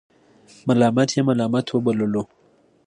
ملامت یې ملامت وبللو.